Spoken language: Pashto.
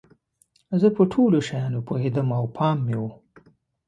زه په ټولو شیانو پوهیدم او پام مې و.